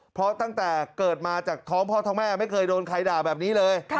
เพราะตั้งแต่เกิดมาจากท้องพ่อท้องแม่ไม่เคยโดนใครด่าแบบนี้เลย